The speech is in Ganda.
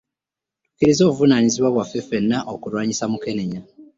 Tutuukirize obuvunaanyizibwa bwaffe ffenna okulwanyisa Mukenenya